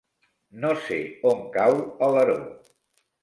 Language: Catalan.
No sé on cau Alaró.